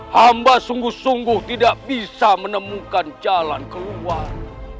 hamba sungguh sungguh tidak bisa menemukan jalan keluar